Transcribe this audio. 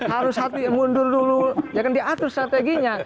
harus hati hati mundur dulu diatur strateginya